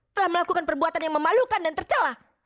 telah melakukan perbuatan yang memalukan dan tercelah